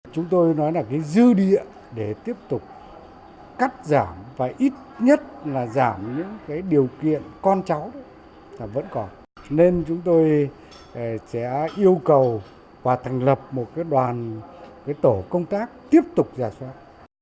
chúng tôi nói là cái dư địa để tiếp tục cắt giảm và ít nhất là giảm những điều kiện con cháu vẫn còn nên chúng tôi sẽ yêu cầu và thành lập một đoàn tổ công tác tiếp tục giả soát